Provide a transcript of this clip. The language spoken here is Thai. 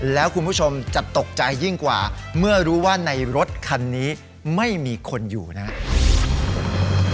แล้วคุณผู้ชมจะตกใจยิ่งกว่าเมื่อรู้ว่าในรถคันนี้ไม่มีคนอยู่นะครับ